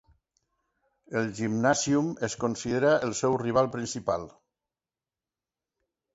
El Gymnasium es considera el seu rival principal.